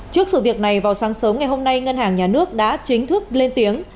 trước sự việc này vào sáng sớm ngày hôm nay ngân hàng nhà nước đã chính thức lên tiếng